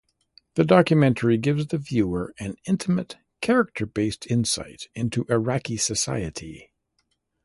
The documentary gives the viewer an intimate, character-based insight into Iraqi society.